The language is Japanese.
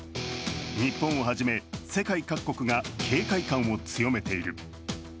日本をはじめ、世界各国が警戒感を強めている。